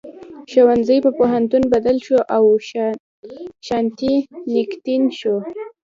ښوونځي په پوهنتون بدل شو او شانتي نیکیتن شو.